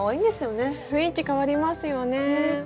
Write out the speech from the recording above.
雰囲気変わりますよね。